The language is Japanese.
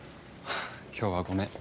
今日はごめん。